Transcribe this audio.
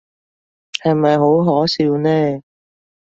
係咪好可笑呢？